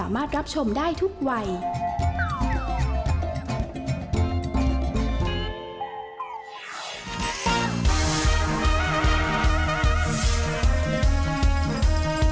เม่บ้านประจันตร์คลาน